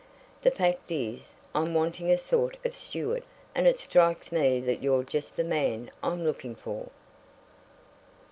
"The fact is, I'm wanting a sort of steward, and it strikes me that you're just the man I'm looking for!"